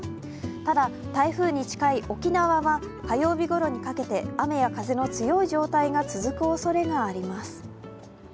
ただ、台風に近い沖縄は火曜日ごろにかけて雨や風の強い状態が続くおそれがあります。